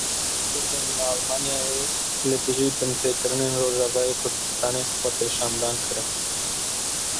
Kurdên li Almanyayê li dijî binpêkirinên Rojavayê Kurdistanê xwepêşandan kirin.